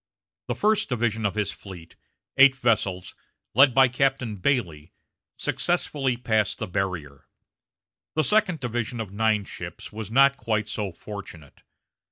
The first division of his fleet, eight vessels, led by Captain Bailey, successfully passed the barrier. The second division of nine ships was not quite so fortunate.